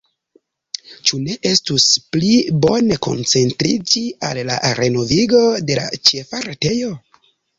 Ĉu ne estus pli bone koncentriĝi al la renovigo de la ĉefa retejo?